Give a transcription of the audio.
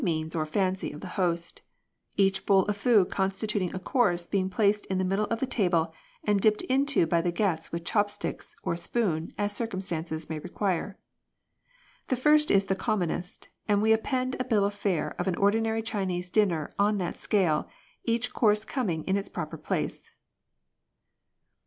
155 means or fancy of the host, each bowl of food constituting a course being placed in the middle of the table and dipped into by the guests with chop sticks or spoon as circumstances may require. The first is the commonest, and we append a bill of fare of an ordinary Chinese dinner on that scale, each course coming in its proper place.